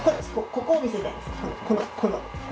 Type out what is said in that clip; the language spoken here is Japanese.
ここを見せたいんです。